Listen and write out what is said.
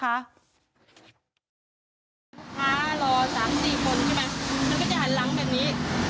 ม้ารอ๓๔คนใช่ไหมมันก็จะหันหลังแบบนี้